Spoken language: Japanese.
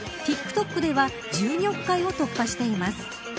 ＴｉｋＴｏｋでは１２億回を突破しています。